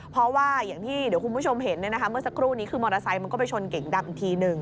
เพราะว่าอย่างที่เดี๋ยวคุณผู้ชมเห็นเมื่อสักครู่นี้คือมอเตอร์ไซค์มันก็ไปชนเก่งดำอีกทีหนึ่ง